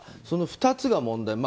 その２つが問題